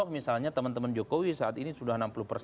misalnya teman teman jokowi saat ini sudah